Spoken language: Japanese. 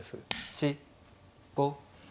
４５。